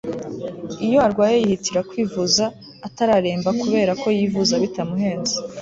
iyo arwaye yihitira kwivuza atararemba kubera ko yivuza bitamuhenze